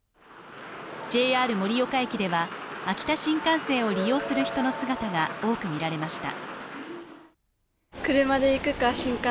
ＪＲ盛岡駅では、秋田新幹線を利用する人の姿が多く見られました。